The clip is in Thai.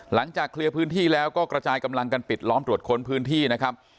หลังจากเคลียร์พื้นที่แล้วก็กระจายกำลังกันปิดล้อมตรวจค้นพื้นที่นะครับ